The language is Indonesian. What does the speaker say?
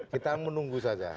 kita menunggu saja